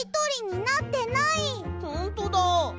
ほんとだ！